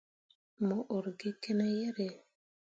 Mo ur gi kene yerre ?